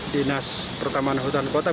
dinas pertamaan hutan kota